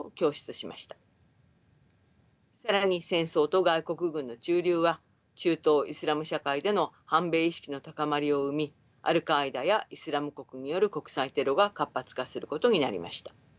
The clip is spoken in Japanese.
更に戦争と外国軍の駐留は中東イスラム社会での反米意識の高まりを生みアルカーイダやイスラム国による国際テロが活発化することになりました。